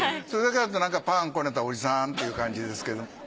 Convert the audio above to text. それだけだとパンこねたおじさんっていう感じですけれども。